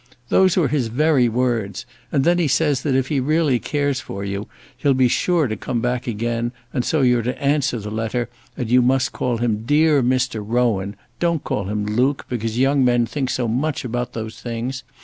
Those were his very words; and then he says that if he really cares for you, he'll be sure to come back again, and so you're to answer the letter, and you must call him Dear Mr. Rowan. Don't call him Luke, because young men think so much about those things.